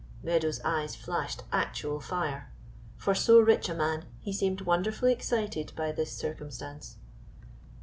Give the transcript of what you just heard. Meadows' eyes flashed actual fire. For so rich a man, he seemed wonderfully excited by this circumstance.